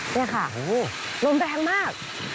นี่ค่ะลมแรงมาก